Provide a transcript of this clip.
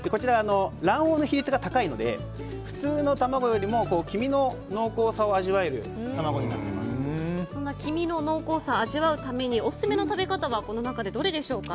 卵黄の比率が高いので普通の卵よりも黄身の濃厚さを味わえる黄身の濃厚さを味わうためにオススメの食べ方はこの中でどれでしょうか？